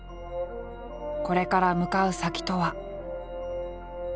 これから向かう先とは。